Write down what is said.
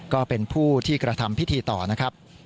ก็เป็นผู้ที่กระทำพิธีต่อนะครับ